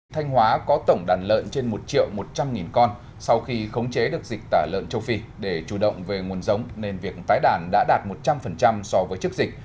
thanh hóa có tổng đàn lợn trên một triệu một trăm linh con sau khi khống chế được dịch tả lợn châu phi để chủ động về nguồn giống nên việc tái đàn đã đạt một trăm linh so với trước dịch